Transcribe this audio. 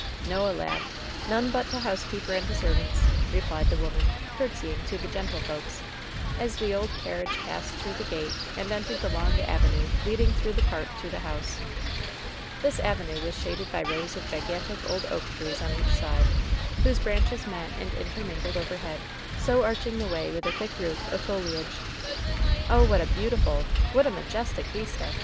"Noa, lad ; none but t' housekeeper and t' servants,'' replied the woman, courtesying to "the gentlefolks" as the old carriage passed through the gate and entered the long avenue leading through the park to the house. This avenue was shaded by rows of gigantic old oak trees on each side, whose branches met and intermingled overhead, so arching the way with a thick roof of foliage. "Oh, what a beautiful — ^what a majestic vista